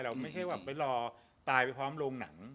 ไม่ใช่แบบไปรอตายไปพร้อมโรงหนัง